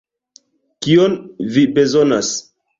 Kion vi bezonas?